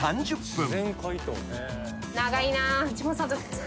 ３０分間。